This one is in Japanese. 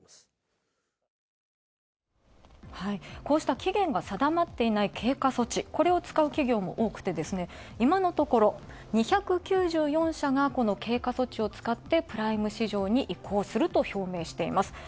こうした期限が定まっていない経過措置、今のところ２９４社がこの経過措置を使ってプライム市場に移行すると表明しています。